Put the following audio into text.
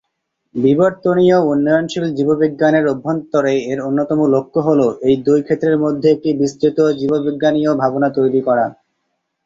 বিবর্তনীয় উন্নয়নশীল জীববিজ্ঞানের অভ্যন্তরে; এর অন্যতম লক্ষ্য হলো, এই দুই ক্ষেত্রের মধ্যে একটা বিস্তৃত জীববিজ্ঞানীয় ভাবনা তৈরী করা।